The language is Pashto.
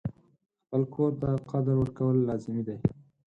خپل کور ته قدر ورکول لازمي دي.